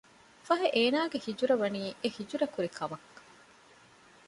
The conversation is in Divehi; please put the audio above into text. ފަހެ އޭނާގެ ހިޖުރަ ވަނީ އެ ހިޖުރަ ކުރި ކަމަކަށް